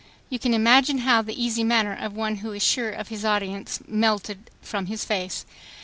You can imagine bow the easy manner of one who is sure of his audience melted from his face.